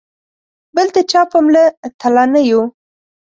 بل د چا په مله تله نه یو.